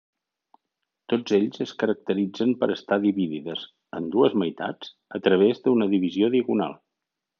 Tots ells es caracteritzen per estar dividides en dues meitats, a través d'una divisió diagonal.